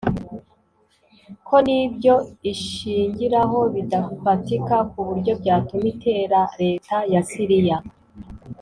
ko n’ibyo ishingiraho bidafatika ku buryo byatuma itera Leta ya Siriya